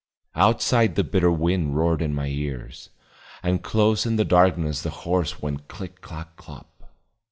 Outside the bitter wind roared in my ears, and close in the darkness the horse went click clack clop.